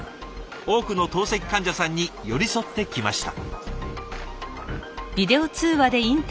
多くの透析患者さんに寄り添ってきました。